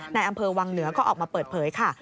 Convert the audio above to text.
ในอำเภอวังเหนือก็ออกมาเปิดเผยค่ะ